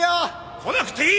来なくていい！